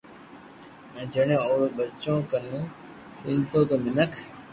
ھين جڻي اورو ٻجو ڪنو پينتو تو مينک